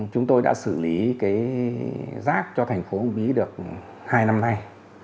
chúng tôi đã xử lý rác cho thành phố uông bí được hai năm nay